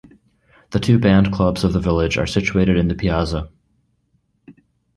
The two band clubs of the village are situated in the piazza.